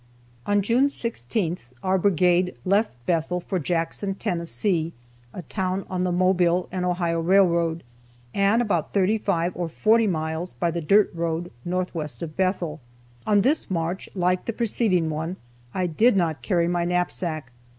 On June 16 our brigade left Bethel for Jackson, Tennessee, a town on the Mobile and Ohio railroad, and about thirty five or forty miles, by the dirt road, northwest of Bethel. On this march, like the preceding one, I did not carry my knapsack.